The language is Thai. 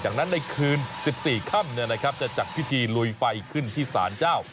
จากนั้นในคืน๑๔ค่ำจะจัดพิธีลุยไฟขึ้นที่สารเจ้า